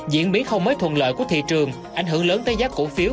diễn biến không mấy thuận lợi của thị trường ảnh hưởng lớn tới giá cổ phiếu